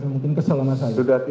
mungkin kesel sama saya